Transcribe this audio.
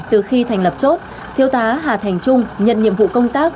từ khi thành lập chốt thiếu tá hà thành trung nhận nhiệm vụ công tác